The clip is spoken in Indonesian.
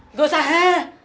nggak usah hal